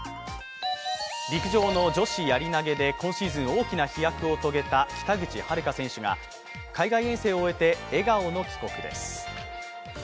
陸上の女子やり投で今シーズン大きな飛躍を遂げた北口榛花選手が海外遠征を終えて笑顔の帰国です。